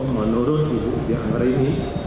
menurut ibu diang anggra ini